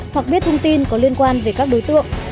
hoặc biết thông tin có liên quan về các đối tượng